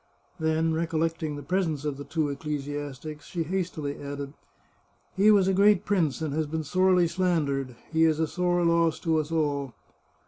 Then, recollecting the presence of the two ecclesiastics, she hastily added :" He was a great prince, and has been sorely slandered. He is a sore loss to us all."